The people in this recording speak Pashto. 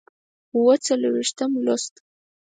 اووه څلوېښتم لوست